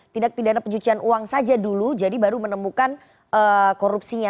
tindak pidana pencucian uang saja dulu jadi baru menemukan korupsinya